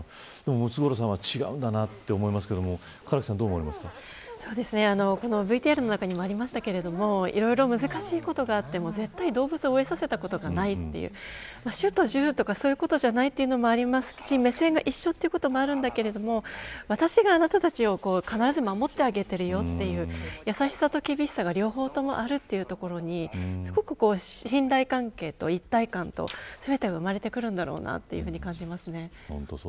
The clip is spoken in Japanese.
でもムツゴロウさんは違うんだなと思いますがＶＴＲの中にもありましたがいろいろ難しいことがあっても絶対動物を飢えさせたことがない主と従とかそういうことじゃないということもありますし目線が一緒ということもありますが私があなたたちを必ず守ってあげてるよという優しさと厳しさが両方ともあるということがすごく信頼関係と一体感と全てが生まれてくるんだろうなと思いますね。